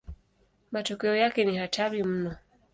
Matokeo yake ni hatari mno.